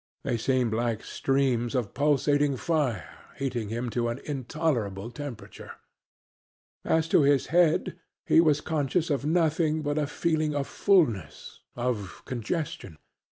They seemed like streams of pulsating fire heating him to an intolerable temperature. As to his head, he was conscious of nothing but a feeling of fulness of congestion.